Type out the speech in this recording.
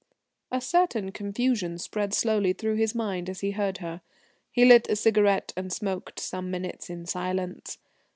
A certain confusion spread slowly through his mind as he heard her. He lit a cigarette and smoked some minutes in silence.